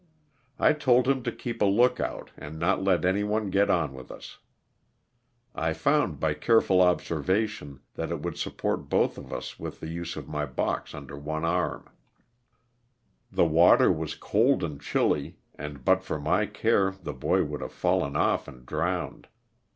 I told him to keep a look out and not let any one get on with us. I found by careful observation that it would support both of us with the use of my box under one arm. LOSS OF THE SULTA^ A. 273 The water was cold and chilly and but for my care the boy would have fallen off and drowned.